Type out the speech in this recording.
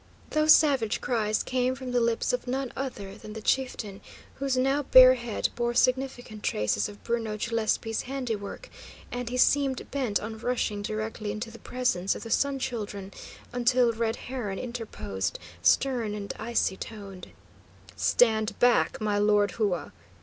Those savage cries came from the lips of none other than the chieftain whose now bare head bore significant traces of Bruno Gillespie's handiwork, and he seemed bent on rushing directly into the presence of the Sun Children, until Red Heron interposed, stern and icy toned: "Stand back, my Lord Hua!"